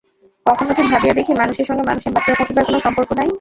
কখনো কি ভাবিয়া দেখি মানুষের সঙ্গে মানুষের বাঁচিয়া থাকিবার কোনো সম্পর্ক নাই?